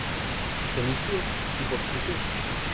C’est Monsieur… c’est pour le friser…